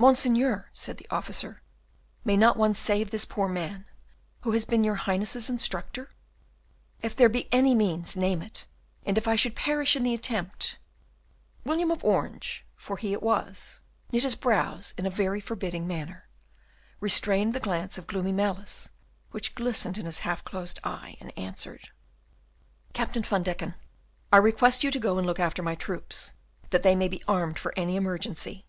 "Monseigneur," said the officer, "may not one save this poor man, who has been your Highness's instructor? If there be any means, name it, and if I should perish in the attempt " William of Orange for he it was knit his brows in a very forbidding manner, restrained the glance of gloomy malice which glistened in his half closed eye, and answered, "Captain Van Deken, I request you to go and look after my troops, that they may be armed for any emergency."